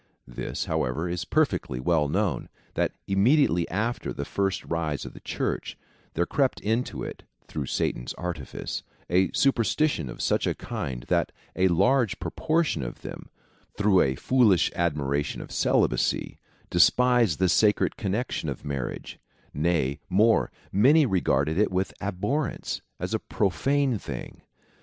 This, however, is perfectly well known, that immediately after the first rise of the Church, there crept into it, through Satan's artifice, a superstition of such a kind, that a large proportion of them, through a foolish admiration of celibacy,^ despised the sacred connection of marriage ; nay more, many regarded it with abhorrence, as a profane thing.